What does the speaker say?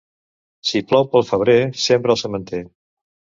Si plou pel febrer, sembra el sementer.